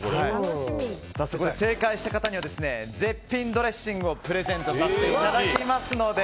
正解した方には絶品ドレッシングをプレゼントさせていただきますので。